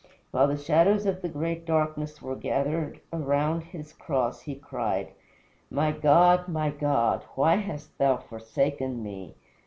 While the shadows of the great darkness were gathering around his cross he cried, "My God, my God, why hast thou forsaken me?"